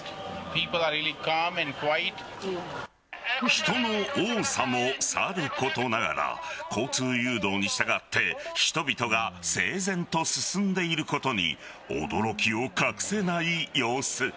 人の多さもさることながら交通誘導に従って人々が整然と進んでいることに驚きを隠せない様子。